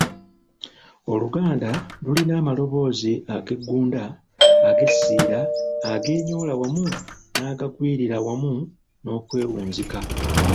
Oluganda lulina amaloboozi ageggunda, agesiira, agenyoola wamu n’agagwirira wamu n’okwewunzika.